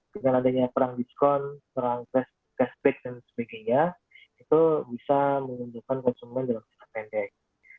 dengan adanya perang diskon perang cashback dan sebagainya itu bisa menguntungkan konsumen dalam jangka pendek